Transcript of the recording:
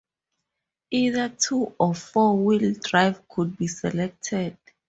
Either two- or four-wheel drive could be selected.